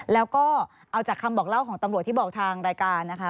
แล้วก็เอาจากคำบอกเล่าของตำรวจที่บอกทางรายการนะคะ